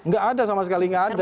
nggak ada sama sekali nggak ada